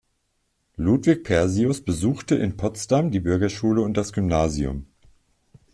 Ludwig Persius besuchte in Potsdam die Bürgerschule und das Gymnasium.